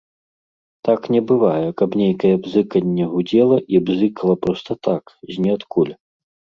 Так не бывае, каб нейкае бзыканне гудзела і бзыкала проста так, з ніадкуль.